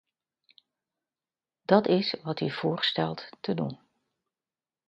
Dat is wat u voorstelt te doen.